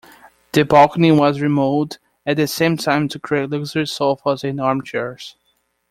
The balcony was remodelled at the same time to create luxury sofas and armchairs.